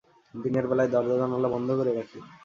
দিনের বেলায় দরজা-জানালা বন্ধ করে রাখি।